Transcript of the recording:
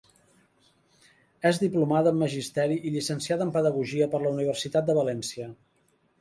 És diplomada en Magisteri i llicenciada en Pedagogia per la Universitat de València.